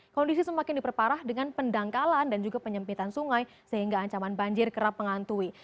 kondisi semakin diperparah dengan pendangkalan dan juga penyempitan sungai sehingga ancaman banjir kerap mengantui